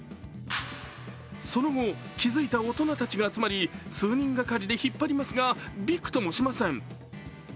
その後、気づいた大人たちが集まり数人がかりで引っ張りますがびくともしません。